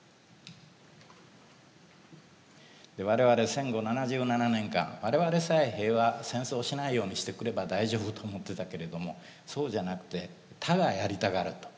我々戦後７７年間「我々さえ平和戦争をしないようにしてくれば大丈夫」と思ってたけれどもそうじゃなくて他がやりたがると。